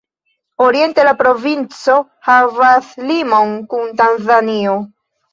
Oriente la provinco havas limon kun Tanzanio.